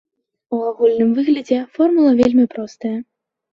У агульным выглядзе формула вельмі простая.